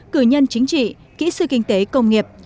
cử nhân chính trị kỹ sư kinh tế công nghiệp